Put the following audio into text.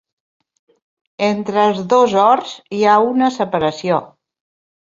Entre els dos horts hi ha una separació.